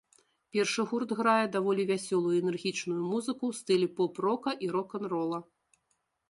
Першы гурт грае даволі вясёлую і энергічную музыку ў стылі поп-рока і рок-н-рола.